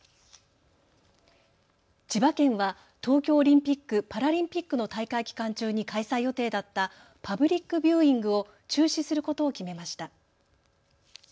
千葉県は東京オリンピック・パラリンピックの大会期間中に開催予定だったパブリックビューイングを中止することを決めました。